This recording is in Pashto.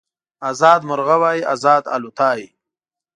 ازاد مرغه وای ازاد الوتای